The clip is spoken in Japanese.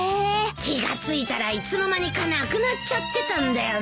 気が付いたらいつの間にかなくなっちゃってたんだよな。